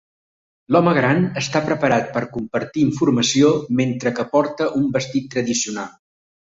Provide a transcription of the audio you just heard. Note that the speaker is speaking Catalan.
L'home gran està preparat per compartir informació mentre que porta un vestit tradicional.